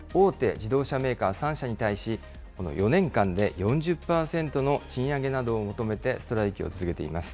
自動車メーカー３社に対し、４年間で４０％の賃上げなどを求めてストライキを続けています。